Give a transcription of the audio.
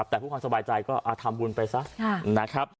แต่ผู้คนสบายใจก็ทำบุญไปซะ